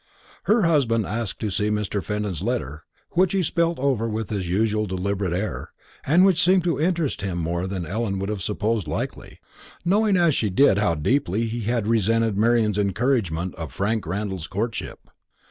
Her husband asked to see Mr. Fenton's letter, which he spelt over with his usual deliberate air, and which seemed to interest him more than Ellen would have supposed likely knowing as she did how deeply he had resented Marian's encouragement of Frank Randall's courtship.